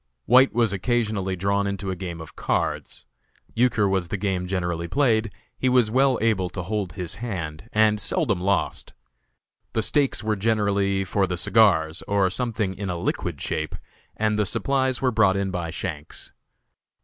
White was occasionally drawn into a game of cards. Euchre was the game generally played; he was well able to hold his hand, and seldom lost. The stakes were generally for the cigars, or something in a liquid shape, and the supplies were brought in by Shanks.